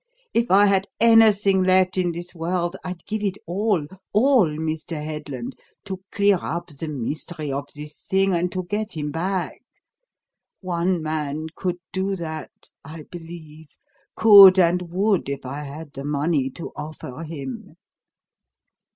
If I had anything left in this world, I'd give it all all, Mr. Headland, to clear up the mystery of this thing and to get him back. One man could do that, I believe, could and would if I had the money to offer him."